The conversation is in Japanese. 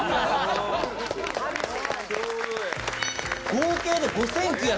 合計で５９７０円。